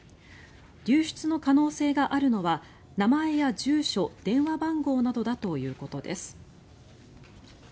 流出の可能性があるのは名前や住所電話番号などだということです。